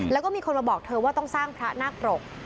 แล้วก็มีคนมาบอกเธอว่าต้องสร้างพระนาคปรก